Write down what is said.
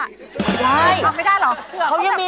ไม่ได้เขาไม่ได้เหรอเผื่อเขาเสียงมาก